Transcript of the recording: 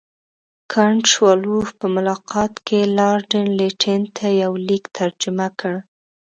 کنټ شووالوف په ملاقات کې لارډ لیټن ته یو لیک ترجمه کړ.